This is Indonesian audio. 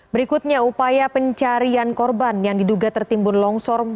berikutnya upaya pencarian korban yang diduga tertimbun longsor